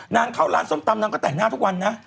เข้าร้านส้มตำนางก็แต่งหน้าทุกวันนะ